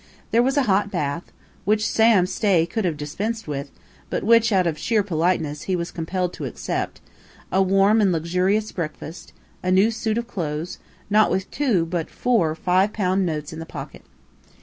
There was a hot bath which Sam Stay could have dispensed with, but which, out of sheer politeness, he was compelled to accept, a warm and luxurious breakfast; a new suit of clothes, with not two, but four, five pound notes in the pocket.